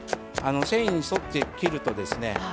繊維に沿って切るとですね